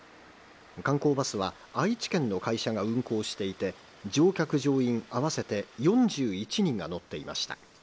観光バスは愛知県の会社が運行していて、乗客乗員合わせて４１人が乗っていました。